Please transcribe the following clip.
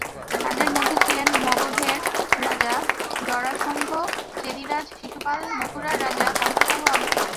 তাঁদের মধ্যে ছিলেন মগধের রাজা জরাসন্ধ, চেদিরাজ শিশুপাল, মথুরার রাজা কংসসহ অনেকে।